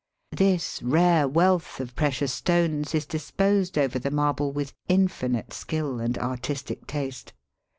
This rare wealth of precious stones is disposed over the marble with infinite skill and artistic taste.